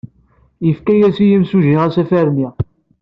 Yefka-as yimsujji asafar-nni.